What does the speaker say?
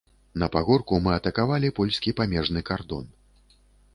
На пагорку мы атакавалі польскі памежны кардон.